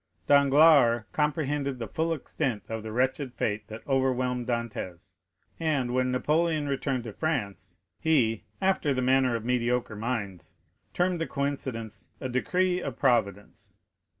Danglars comprehended the full extent of the wretched fate that overwhelmed Dantès; and, when Napoleon returned to France, he, after the manner of mediocre minds, termed the coincidence, a decree of Providence.